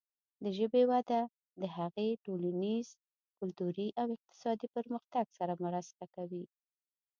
د ژبې وده د هغې د ټولنیز، کلتوري او اقتصادي پرمختګ سره مرسته کوي.